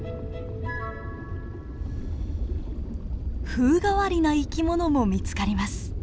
風変わりな生き物も見つかります。